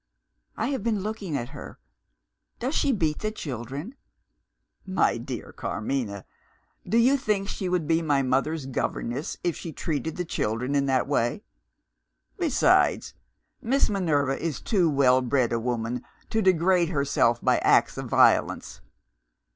"I have been looking at her. Does she beat the children?" "My dear Carmina! do you think she would be my mother's governess if she treated the children in that way? Besides, Miss Minerva is too well bred a woman to degrade herself by acts of violence.